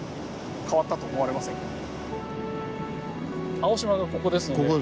青島がここですので。